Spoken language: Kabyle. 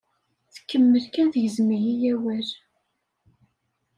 Tkemmel kan tgezzem-iyi awal.